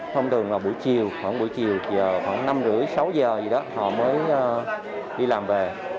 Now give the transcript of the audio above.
thông thường là buổi chiều khoảng buổi chiều thì khoảng năm rưỡi sáu giờ gì đó họ mới đi làm về